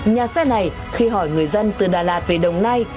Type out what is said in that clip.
nhà xe này khi hỏi người dân từ đà lạt về đồng nai